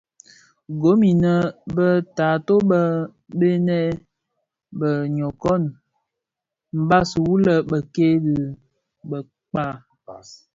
Gom inèn bë taatoh bë bënèn, bë nyokon (Bafia) mbas wu lè bekke dhi bëkpag,